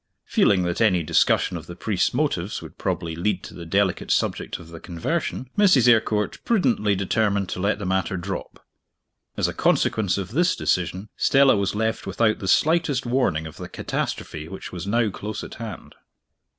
Feeling that any discussion of the priest's motives would probably lead to the delicate subject of the conversion, Mrs. Eyrecourt prudently determined to let the matter drop. As a consequence of this decision, Stella was left without the slightest warning of the catastrophe which was now close at hand.